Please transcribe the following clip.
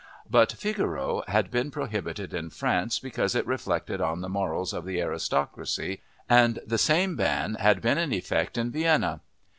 But Figaro had been prohibited in France because it reflected on the morals of the aristocracy and the same ban had been in effect in Vienna.